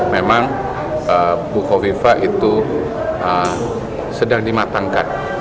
memang buku kofifah itu sedang dimatangkan